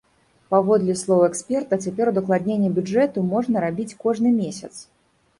Паводле слоў эксперта, цяпер удакладненне бюджэту можна рабіць кожны месяц.